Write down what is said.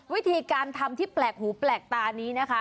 วิธีการทำที่แปลกหูแปลกตานี้นะคะ